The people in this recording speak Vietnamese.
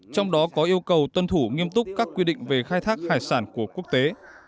trong đó có yêu cầu tuân thủ nghiêm túc các quy định về khai thác hải sản của quốc tế